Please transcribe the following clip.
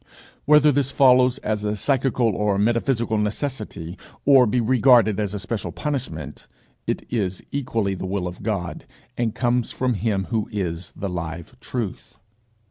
Whether this follows as a psychical or metaphysical necessity, or be regarded as a special punishment, it is equally the will of God, and comes from him who is the live Truth.